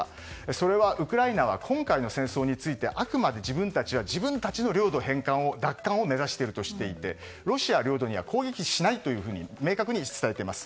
それはウクライナは今回の戦争についてあくまで自分たちは自分たちの領土奪還を目指しているとしてロシア領土には攻撃しないと明確に伝えています。